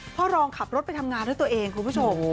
รองขับรถไปทำงานด้วยตัวเองคุณผู้ชม